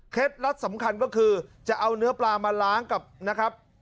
ลับสำคัญก็คือจะเอาเนื้อปลามาล้างกับนะครับ